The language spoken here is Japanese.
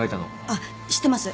あっ知ってます。